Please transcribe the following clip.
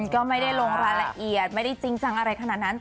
ก็ไม่ได้ลงรายละเอียดไม่ได้จริงจังอะไรขนาดนั้น